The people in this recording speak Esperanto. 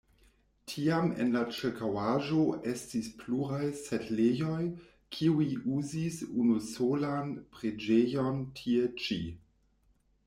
Tiam en la ĉirkaŭaĵo estis pluraj setlejoj, kiuj uzis unusolan preĝejon tie ĉi.